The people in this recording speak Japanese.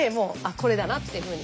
これだなっていうふうに。